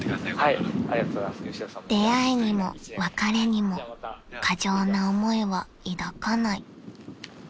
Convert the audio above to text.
［出会いにも別れにも過剰な思いは抱かない］